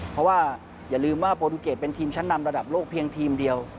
เพราะว่าอย่าลืมว่าโปรตูเกตเป็นทีมชั้นนำระดับโลกเพียงทีมเดียว